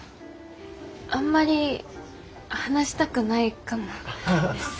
あんまり話したくないかもです。